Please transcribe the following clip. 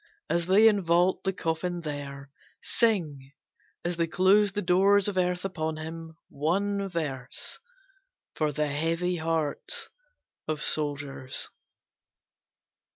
As they invault the coffin there, Sing as they close the doors of earth upon him one verse, For the heavy hearts of soldiers.